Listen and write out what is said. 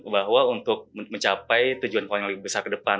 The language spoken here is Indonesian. bahwa untuk mencapai tujuan poin yang lebih besar ke depan